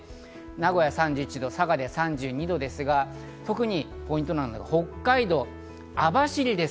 名古屋３１度、佐賀で３２度ですが、特にポイントなのが北海道・網走で３０度。